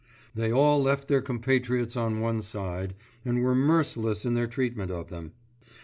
They all left their compatriots on one side, and were merciless in their treatment of them.